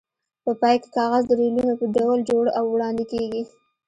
په پای کې کاغذ د ریلونو په ډول جوړ او وړاندې کېږي.